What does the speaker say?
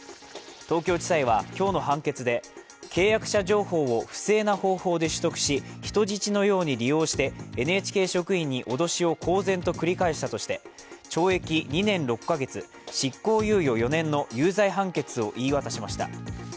東京地裁は今日の判決で契約者情報を不正な方法で取得し、人質のように利用してＮＨＫ職員に脅しを公然と繰り返したとして、懲役２年６カ月、執行猶予４年の有罪判決を言い渡しました。